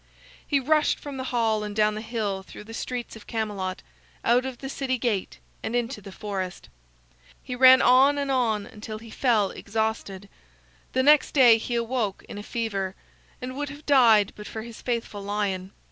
He rushed from the hall and down the hill through the streets of Camelot, out of the city gate, and into the forest. He ran on and on until he fell exhausted. The next day he awoke in a fever, and would have died but for his faithful lion.